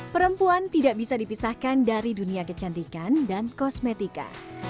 perempuan tidak bisa dipisahkan dari dunia kecantikan dan kosmetika